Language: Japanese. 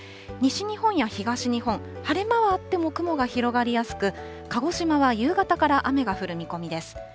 西日本や東日本、晴れ間はあっても雲が広がりやすく、鹿児島は夕方から雨が降る見込みです。